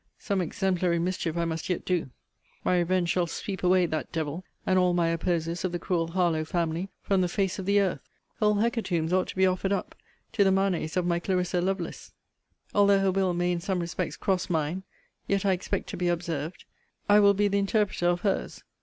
Some exemplary mischief I must yet do. My revenge shall sweep away that devil, and all my opposers of the cruel Harlowe family, from the face of the earth. Whole hecatombs ought to be offered up to the manes of my Clarissa Lovelace. Although her will may in some respects cross mine, yet I expect to be observed. I will be the interpreter of her's.